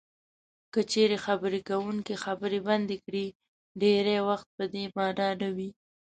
که چېرې خبرې کوونکی خبرې بندې کړي ډېری وخت په دې مانا نه وي.